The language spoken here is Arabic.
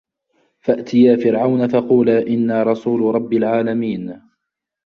فَأتِيا فِرعَونَ فَقولا إِنّا رَسولُ رَبِّ العالَمينَ